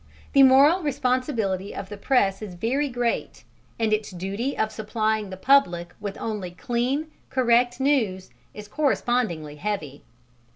The moral responsibility of the press is very great, and its duty of supplying the public with only clean, correct news is correspondingly heavy.